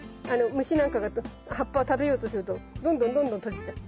虫なんかが葉っぱを食べようとするとどんどんどんどん閉じちゃう。